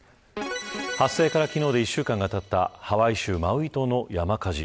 発生から昨日で１週間がたったハワイ州マウイ島の山火事。